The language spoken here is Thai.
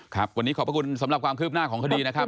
ครับวันนี้ขอบพระคุณสำหรับความคืบหน้าของคดีนะครับ